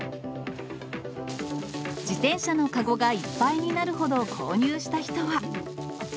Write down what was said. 自転車の籠がいっぱいになるほど購入した人は。